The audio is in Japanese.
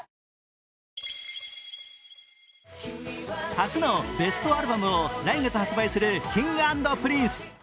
初のベストアルバムを来月発売するＫｉｎｇ＆Ｐｒｉｎｃｅ。